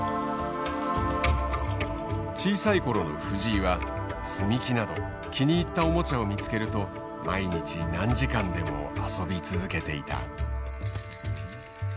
小さい頃の藤井は積み木など気に入ったおもちゃを見つけると毎日何時間でも遊び続けていた。